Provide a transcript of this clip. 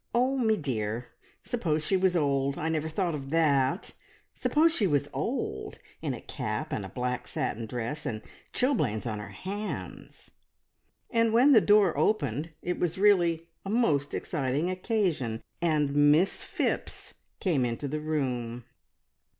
Oh, me dear, suppose she was old! I never thought of that. Suppose she was old, in a cap and a black satin dress, and chilblains on her hands!" And when the door opened it was really a most exciting occasion! and Miss Phipps came into the room.